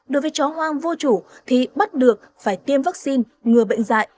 đối với chó hoang vô chủ thì bắt được phải tiêm vaccine ngừa bệnh dạy